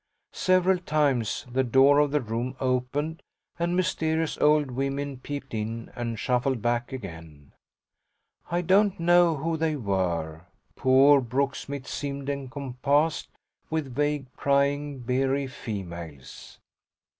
Several times the door of the room opened and mysterious old women peeped in and shuffled back again. I don't know who they were; poor Brooksmith seemed encompassed with vague prying beery females.